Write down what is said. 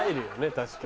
確かに。